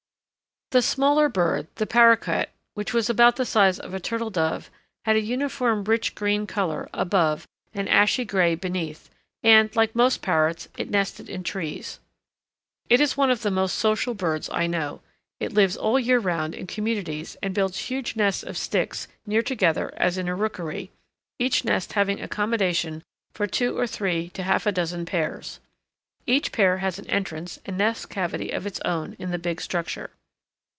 The smaller bird, the paroquet, which was about the size of a turtle dove, had a uniform rich green colour above and ashy grey beneath, and, like most parrots, it nested in trees. It is one of the most social birds I know; it lives all the year round in communities and builds huge nests of sticks near together as in a rookery, each nest having accommodation for two or three to half a dozen pairs. Each pair has an entrance and nest cavity of its own in the big structure.